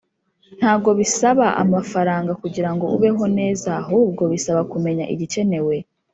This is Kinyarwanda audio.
Ntago bisaba amafaranga kugirango ubeho neza ahubwo bisaba kumenya igikenewe